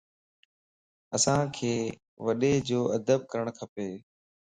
اسانک وڏيءَ جو ادب ڪرڻ کپ